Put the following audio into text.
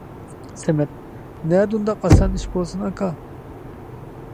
سەمەت : نەدە ئۇنداق ئاسان ئىش بولسۇن ئاكا.